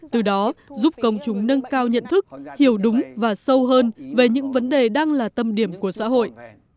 từ đó giúp công chúng nâng cao nhận thức hiểu đúng và sâu hơn về những vấn đề đang là tâm điểm của xã hội